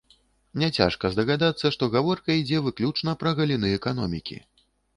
Няцяжка здагадацца, што гаворка ідзе выключна пра галіны эканомікі.